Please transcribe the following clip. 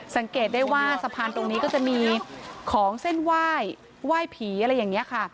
สังเกตได้ว่าสะพานตรงนี้ก็จะมีของเส้นไหว้ไหว้ผีอะไรอย่างนี้ค่ะ